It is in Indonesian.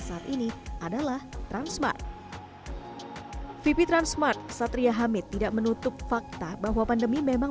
saat ini adalah transmart vp transmart satria hamid tidak menutup fakta bahwa pandemi memang